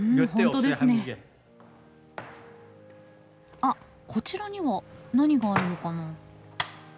あっこちらには何があるのかな？